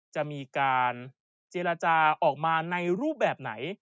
จะมีการเจรจาออกมาในรูปแบบไหน